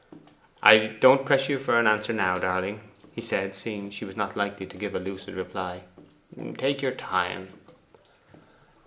'I don't press you for an answer now, darling,' he said, seeing she was not likely to give a lucid reply. 'Take your time.